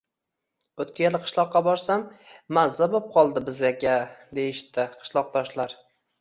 “...Oʻtgan yili qishloqqa borsam, “mazza boʻp qoldi bizaga” deyishdi qishloqdoshlar.